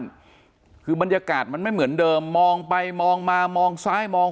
บรรยากาศคือบรรยากาศมันไม่เหมือนเดิมมองไปมองมามองซ้ายมอง